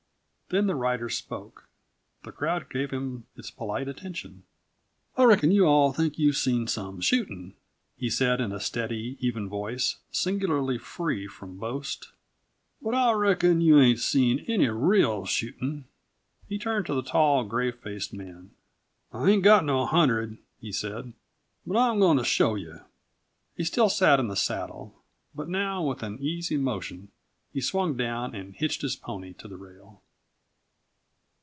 Then the rider spoke. The crowd gave him its polite attention. "I reckon you all think you've seen some shootin'," he said in a steady, even voice, singularly free from boast. "But I reckon you ain't seen any real shootin'." He turned to the tall, grave faced man. "I ain't got no hundred," he said, "but I'm goin' to show you." He still sat in the saddle. But now with an easy motion he swung down and hitched his pony to the rail.